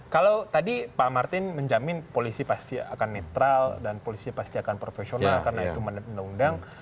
kalau tadi pak martin menjamin polisi pasti akan netral dan polisi pasti akan profesional karena itu menurut undang undang